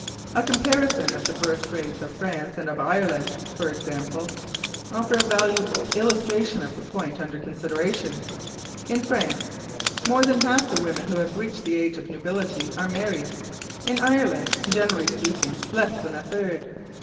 A comparison of the birth rates of France and of Ireland, for example, offer a valuable illustration of the point under consideration. In France, more than half the women who have reached the age of nubility are married; in Ireland, generally speaking, less than a third.